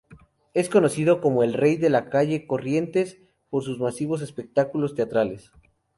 Es conocido como "El rey de la calle Corrientes" por sus masivos espectáculos teatrales.